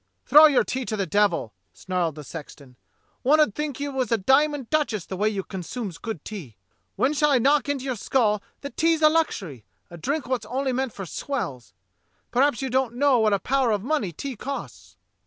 "Throw your tea to the devil," snarled the sexton. "One 'ud think you was a diamond duchess the way you consumes good tea. When shall I knock into your skull that tea's a luxury — a drink wot's only meant for swells? Perhaps you don't know what a power of money tea costs!"